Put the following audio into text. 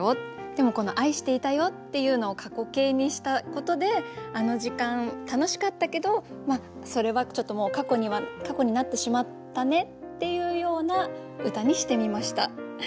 でもこの「愛していたよ」っていうのを過去形にしたことであの時間楽しかったけどそれはちょっともう過去になってしまったねっていうような歌にしてみました。